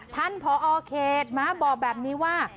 ท่านผอเขตม้าบอกแบบนี้ว่า